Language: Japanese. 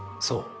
「そう。